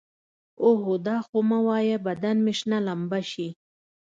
اوهو دا خو مه وايه بدن مې شنه لمبه شي.